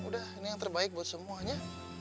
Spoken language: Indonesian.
udah ini yang terbaik buat semuanya